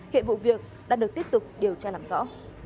hiện vụ việc đã được tiếp tục điều tra làm rõ